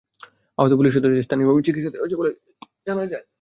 আহত পুলিশ সদস্যদের স্থানীয়ভাবে চিকিৎসা দেওয়া হয়েছে বলে থানা সূত্রে জানা যায়।